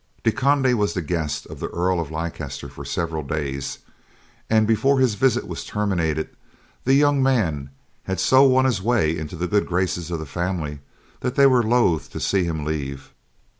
De Conde was the guest of the Earl of Leicester for several days, and before his visit was terminated, the young man had so won his way into the good graces of the family that they were loath to see him leave.